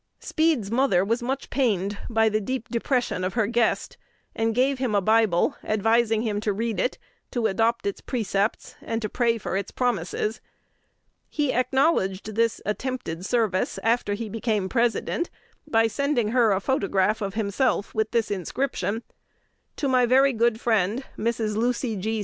Speed's mother was much pained by the "deep depression" of her guest, and gave him a Bible, advising him to read it, to adopt its precepts, and pray for its promises. He acknowledged this attempted service, after he became President, by sending her a photograph of himself, with this inscription: "To my very good friend, Mrs. Lucy G.